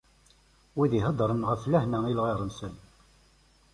Wid iheddren ɣef lehna i lɣir-nsen.